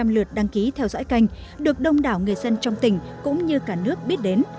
một trăm linh lượt đăng ký theo dõi kênh được đông đảo người dân trong tỉnh cũng như cả nước biết đến